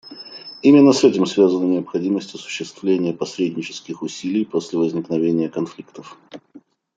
Именно с этим связана необходимость осуществления посреднических усилий после возникновения конфликтов.